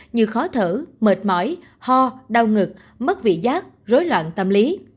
như khó thở mệt mỏi ho đau ngực mất vị giác rối loạn tâm lý